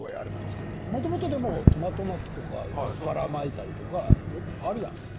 もともと、トマト巻きとかアスパラ巻いたりとかあるやん？